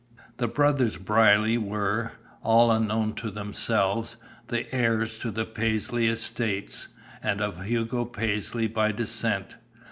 The brothers Brierly were, all unknown to themselves, the heirs to the Paisley estates, and of Hugo Paisley, by descent.